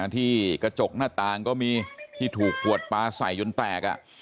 ที่กระจกหน้าต่างก็มีที่ถูกขวดปลาใส่จนแตก